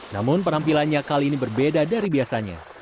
namun penampilannya kali ini berbeda dari biasanya